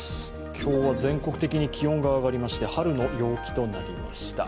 今日は全国的に気温が上がりまして春の陽気となりました。